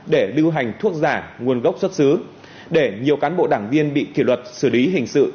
để lưu hành thuốc giả nguồn gốc xuất xứ để nhiều cán bộ đảng viên bị kỷ luật xử lý hình sự